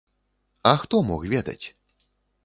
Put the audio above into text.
А хто мог ведаць?